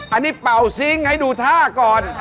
อันนี้เป่าซิงค์ให้ดูท่าก่อน